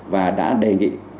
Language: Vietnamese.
và đã đề nghị